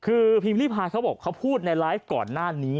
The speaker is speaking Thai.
คือพิมพ์ริพายเขาบอกเขาพูดในไลฟ์ก่อนหน้านี้